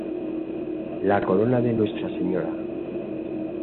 La corona de Ntra´Sra.